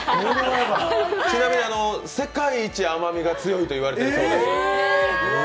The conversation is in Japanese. ちなみに世界一甘みが強いと言われているそうです。